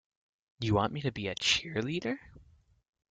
You want me to be a cheerleader?